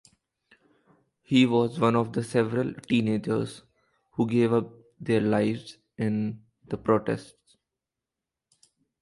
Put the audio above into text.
He was one of several teenagers who gave up their lives in the protests.